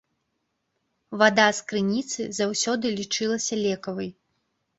Вада з крыніцы заўсёды лічылася лекавай.